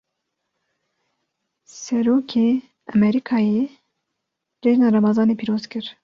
Serokê Emerîkayê, cejna remezanê pîroz kir